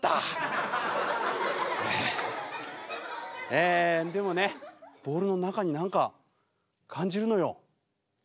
えでもねボールの中に何か感じるのよ。